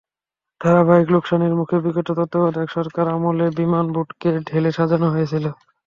ধারাবাহিক লোকসানের মুখে বিগত তত্ত্বাবধায়ক সরকার আমলে বিমান বোর্ডকে ঢেলে সাজানো হয়েছিল।